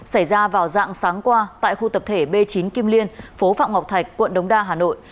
xảy ra vào dạng sáng qua tại khu tập thể b chín kim liên phố phạm ngọc thạch quận đống đa hà nội